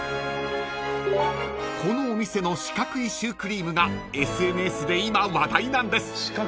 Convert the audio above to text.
［このお店の四角いシュークリームがＳＮＳで今話題なんです］